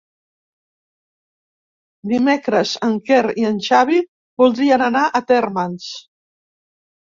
Dimecres en Quer i en Xavi voldrien anar a Térmens.